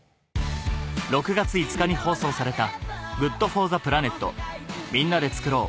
６月５日に放送された『ＧｏｏｄＦｏｒｔｈｅＰｌａｎｅｔみんなでつくろう！